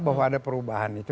bagaimana cara itu